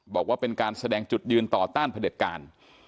บอกว่าเป็นการแสดงจุดยืนต่อต้านพระเด็จการ